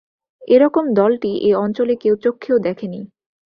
এ রকম দলটি এ অঞ্চলে কেউ চক্ষেও দেখেনি।